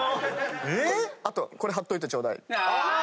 あと「これ貼っといてちょうだい」